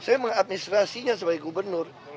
saya mengadministrasinya sebagai gubernur